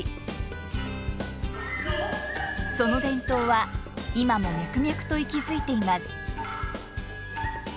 その伝統は今も脈々と息づいています。